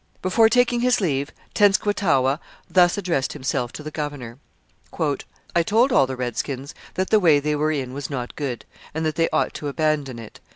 Before taking his leave Tenskwatawa thus addressed himself to the governor: I told all the redskins, that the way they were in was not good, and that they ought to abandon it.